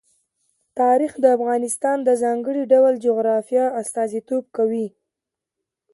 تاریخ د افغانستان د ځانګړي ډول جغرافیه استازیتوب کوي.